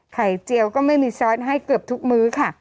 เจียวก็ไม่มีซอสให้เกือบทุกมื้อค่ะ